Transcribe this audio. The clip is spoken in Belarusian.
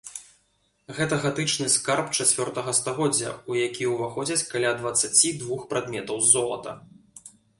Гэта гатычны скарб чацвёртага стагоддзя, у які ўваходзяць каля дваццаці двух прадметаў з золата.